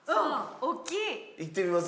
行ってみます？